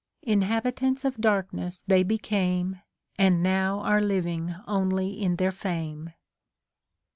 Inhabitants of darkness they became. And now are living only in their fame.